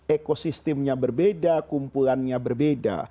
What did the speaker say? ekosistemnya berbeda kumpulannya berbeda